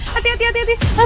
hati hati pak rt tunggu pak rt